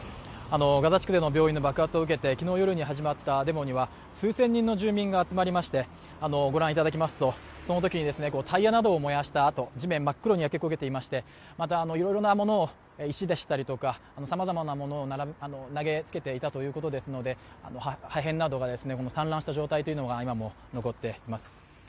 ガザ地区での病院の爆発を受けて昨日の夜始まったデモには数千人の住民が集まりまして、ご覧いただきますと、そのときにタイヤなどを燃やした跡、地面真っ黒に焼け焦げていまして、またいろいろなものを、石ですとか、さまざまなものを投げつけていたということですので、破片などが散乱した状態が今も残っています。